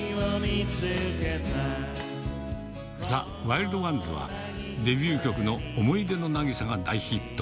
ザ・ワイルドワンズは、デビュー曲の想い出の渚が大ヒット。